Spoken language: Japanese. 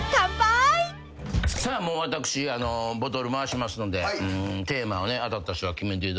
私ボトル回しますのでテーマをね当たった人が決めていただいたら結構です。